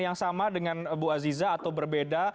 yang sama dengan bu aziza atau berbeda